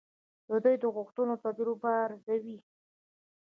دوی د غوښتونکو تجربه ارزوي.